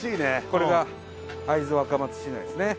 これが会津若松市内ですね